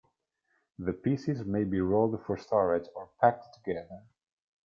The pieces may be rolled for storage or packed together.